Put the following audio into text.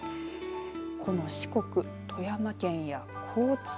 この四国、富山県や高知県